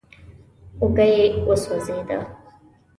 اوږه يې وسوځېده.